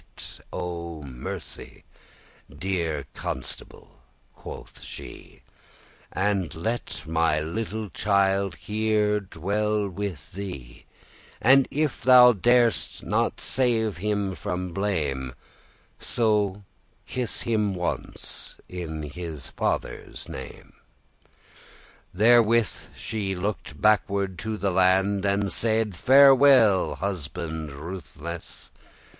*cruel destroyed O mercy, deare Constable," quoth she, "And let my little child here dwell with thee: And if thou dar'st not save him from blame, So kiss him ones in his father's name." Therewith she looked backward to the land, And saide, "Farewell, husband rutheless!"